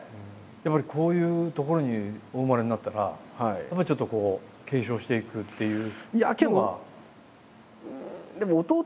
やっぱりこういうところにお生まれになったらやっぱりちょっとこう継承していくっていう。